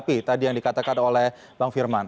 yang seperti tadi yang dikatakan oleh pak firman